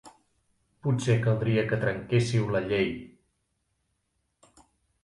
Potser caldria que trenquésseu la llei.